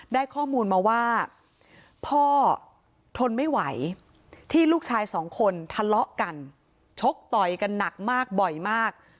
ได้ข้อมูลมาว่าพ่อทนไม่ไหวที่ลูกชายสองคนทะเลาะกันชกต่อยกันหนักมากบ่อยมาก